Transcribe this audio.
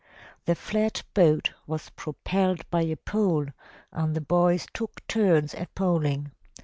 The flat boat was propelled by a pole, and the boys took turns at poling.